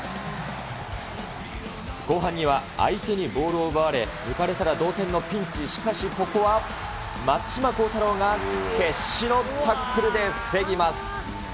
後半には、相手にボールを奪われ、抜かれたら同点のピンチ、しかしここは、松島幸太朗が決死のタックルで防ぎます。